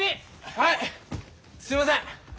はいすいません。